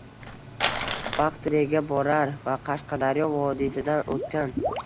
Baqtriyaga borar va Qashqadaryo vodiysidan oʻtgan.